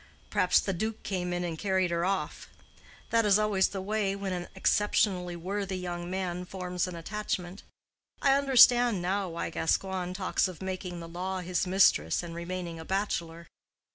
Perhaps the duke came in and carried her off. That is always the way when an exceptionally worthy young man forms an attachment. I understand now why Gascoigne talks of making the law his mistress and remaining a bachelor.